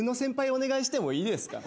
お願いしてもいいですか？